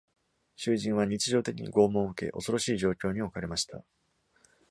囚人は日常的に拷問を受け、恐ろしい状況に置かれました。